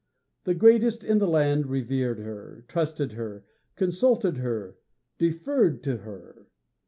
The greatest in the land revered her, trusted her, consulted her, deferred to her.